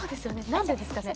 何でですかね？